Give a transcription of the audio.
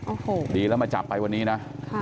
โอ้โหดีแล้วมาจับไปวันนี้นะ